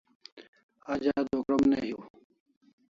Aj adua krom ne hiu